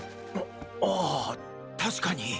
ああぁ確かに。